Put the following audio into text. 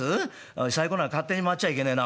おいサイコロが勝手に回っちゃいけねえな。